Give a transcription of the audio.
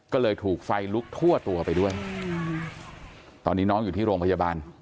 ก็เลยถูกไฟลุกทั่วตัวไปด้วยตอนนี้น้องอยู่ที่โรงพยาบาล